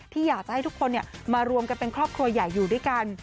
ที่อยากจะให้ทุกคนมารวมกันเป็นครอบครัวใหญ่อยู่ด้วยกัน